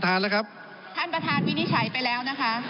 ท่านประธานครับคุณอฮุชาเนี่ยจะตัดเงินเดือนใช่ไหมท่านประธานครับ